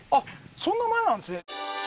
そんな前なんですね